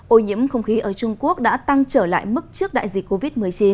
ô nhiễm không khí ở trung quốc đã tăng trở lại mức trước đại dịch covid một mươi chín